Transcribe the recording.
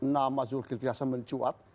nama zulkirtiasa mencuat